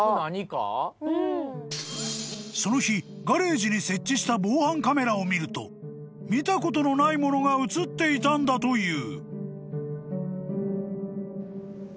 ［その日ガレージに設置した防犯カメラを見ると見たことのないものが写っていたんだという］